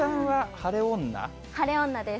晴れ女です。